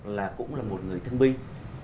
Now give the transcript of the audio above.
là cũng là một người thương binh